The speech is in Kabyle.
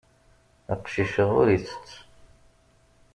Aqcic-a ur ittett.